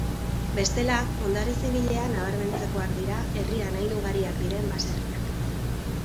Bestela, ondare zibilean nabarmentzekoak dira herrian hain ugariak diren baserriak.